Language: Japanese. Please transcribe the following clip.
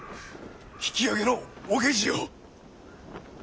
引き揚げのお下知を！